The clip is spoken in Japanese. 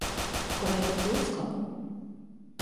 これ、どう使うの？